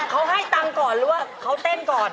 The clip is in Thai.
เขาให้ตังค์ก่อนหรือว่าเขาเต้นก่อน